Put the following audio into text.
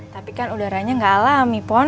tapi kan udaranya gak alami pon